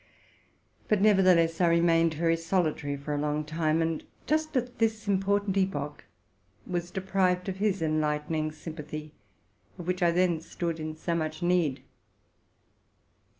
But nevertheless I remained very solitary for a long time, and was deprived just at this important epoch of his enlightening sympathy, of which I then stood in so much need.